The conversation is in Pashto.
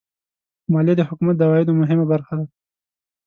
مالیه د حکومت د عوایدو مهمه برخه ده.